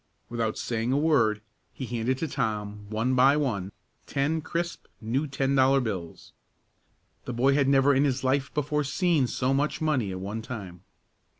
Without saying a word, he handed to Tom, one by one, ten crisp, new ten dollar bills. The boy had never in his life before seen so much money at one time.